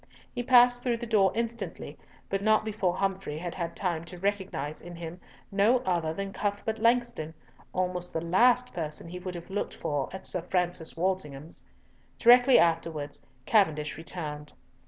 He passed through the door instantly, but not before Humfrey had had time to recognise in him no other than Cuthbert Langston, almost the last person he would have looked for at Sir Francis Walsingham's. Directly afterwards Cavendish returned.